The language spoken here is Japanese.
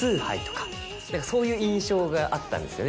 そういう印象があったんですよね。